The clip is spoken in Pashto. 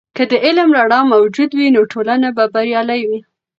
که د علم رڼا موجوده وي، نو ټولنه به بریالۍ وي.